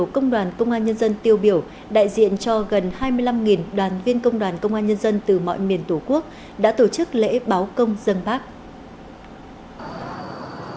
công đoàn công an nhân dân tiêu biểu đại diện cho gần hai mươi năm đoàn viên công đoàn công an nhân dân từ mọi miền tổ quốc đã tổ chức lễ báo công dân bác